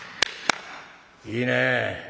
「いいね。